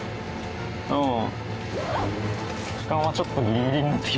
うん。